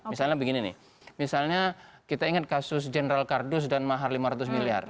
misalnya begini nih misalnya kita ingat kasus general kardus dan mahar lima ratus miliar